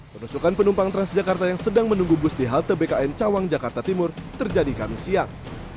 penusukan penumpang transjakarta yang sedang menunggu bus di halte bkn cawang jakarta timur terjadi kami siang